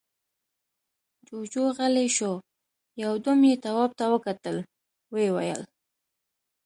جُوجُو غلی شو، يو دم يې تواب ته وکتل، ويې ويل: